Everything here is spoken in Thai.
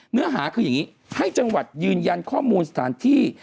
เนื้อหาคืออย่างนี้ให้จังหวัดยืนยันข้อมูลสถานที่